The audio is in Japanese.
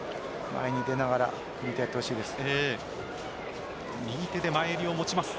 前に出ながら組み手をやってほしいです。